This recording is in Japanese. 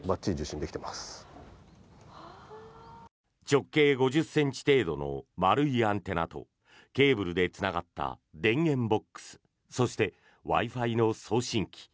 直径５０ｃｍ程度の丸いアンテナとケーブルでつながった電源ボックスそして、Ｗｉ−Ｆｉの送信機。